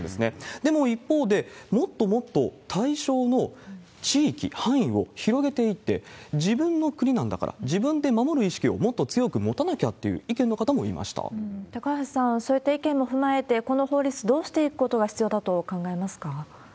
でも一方で、もっともっと対象の地域、範囲を広げていって、自分の国なんだから、自分で守る意識をもっと強く持たなきゃっていう意見の方もいまし高橋さん、そういった意見も踏まえて、この法律、どうしていくことが必要だと考えますか？